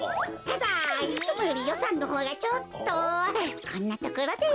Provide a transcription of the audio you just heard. ただいつもよりよさんのほうがちょっとこんなところで。